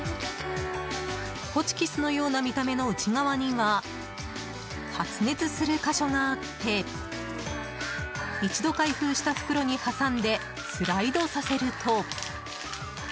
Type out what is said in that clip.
ホチキスのような見た目の内側には発熱する箇所があって一度開封した袋に挟んでスライドさせると。